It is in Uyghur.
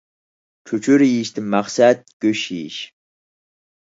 چۆچۈرە يېيىشتىن مەقسەت گۆش يېيىش